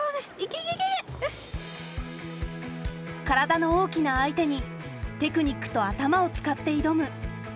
体の大きな相手にテクニックと頭を使って挑む